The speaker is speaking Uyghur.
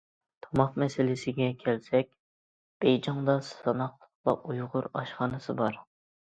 تاماق مەسىلىسىگە كەلسەك بېيجىڭدا ساناقلىقلا ئۇيغۇر ئاشخانىسى بار.